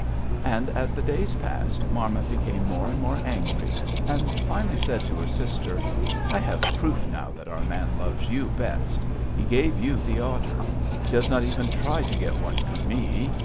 "And as the days passed, Marmot became more and more angry, and finally said to her sister: 'I have proof now that our man loves you best. He gave you the otter; he does not even try to get one for me.